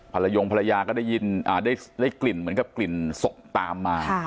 ภรรยงภรรยาก็ได้ยินอ่าได้ได้กลิ่นเหมือนกับกลิ่นศกตามมา